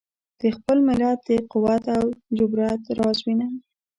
د خپل ملت د قوت او جبروت راز وینم.